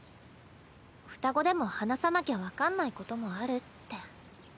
双子でも話さなきゃ分かんないこともあるって。